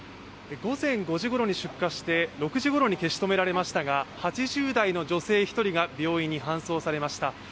午前５時ごろに出荷して６時ごろに消し止められましたが８０代の女性１人が病院に搬送されました。